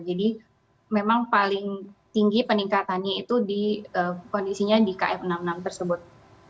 jadi memang paling tinggi peningkatannya itu di kondisinya di km enam puluh enam tersebut